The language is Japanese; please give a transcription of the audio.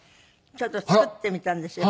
ちょっと作ってみたんですよ。